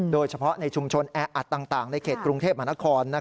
โดยเฉพาะในชุมชนแออัดต่างในเขตกรุงเทพมหานคร